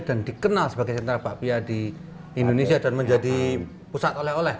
dan dikenal sebagai sentra bakpia di indonesia dan menjadi pusat oleh oleh